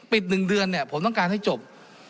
ปิด๑เดือนผมต้องการให้จบ